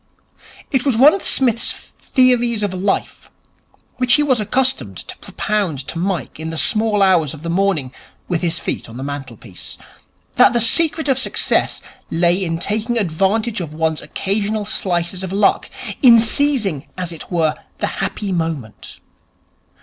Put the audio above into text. It was one of Psmith's theories of Life, which he was accustomed to propound to Mike in the small hours of the morning with his feet on the mantelpiece, that the secret of success lay in taking advantage of one's occasional slices of luck, in seizing, as it were, the happy moment.